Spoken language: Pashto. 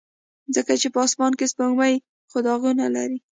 ځکه چې په اسمان کې سپوږمۍ خو داغونه لري.